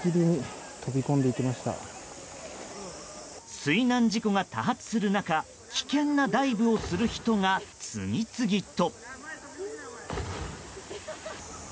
水難事故が多発する中危険なダイブをする人が次々と。